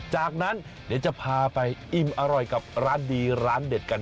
จากนั้นเดี๋ยวจะพาไปอิ่มอร่อยกับร้านดีร้านเด็ดกัน